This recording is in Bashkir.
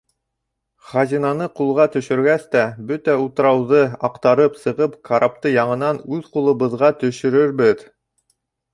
Хазинаны ҡулға төшөргәс тә, бөтә утрауҙы аҡтарып сығып, карапты яңынан үҙ ҡулыбыҙға төшөрөрбөҙ.